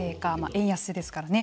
円安ですからね。